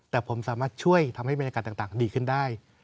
แต่ผมสามารถช่วยทำให้บรรยากาศต่างดีขึ้นได้